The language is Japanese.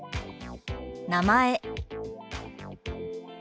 「名前」。